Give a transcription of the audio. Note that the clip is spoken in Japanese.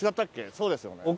そうですよね？